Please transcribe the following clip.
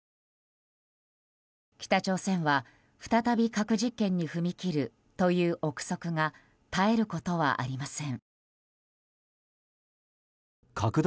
北朝鮮は再び核実験に踏み切るという憶測が絶えることはありません。